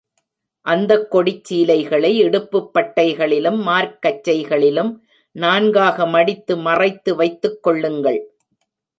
அந்தக் கொடிச் சீலைகளை இடுப்புப் பட்டைகளிலும் மார்க்கச்சைகளிலும் நான்காக மடித்து மறைத்து வைத்துக் கொள்ளுங்கள்.